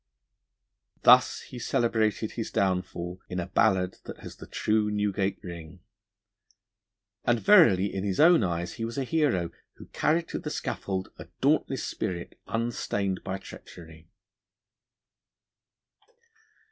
Thus he celebrated his downfall in a ballad that has the true Newgate ring, and verily in his own eyes he was a hero who carried to the scaffold a dauntless spirit unstained by treachery.